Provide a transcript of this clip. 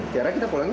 tiara kita pulang ya